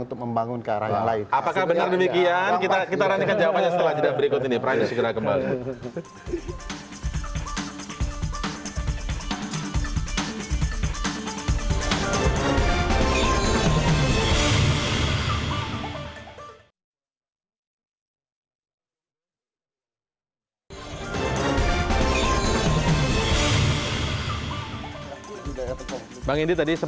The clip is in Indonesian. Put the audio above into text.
untuk membangun ke arah yang lain